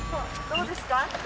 どうですか？